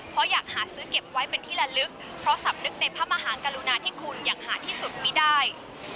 เพราะอยากหาซื้อเก็บไว้เป็นที่ละลึกเพราะสำนึกในพระมหากรุณาที่คุณอย่างหาที่สุดไม่ได้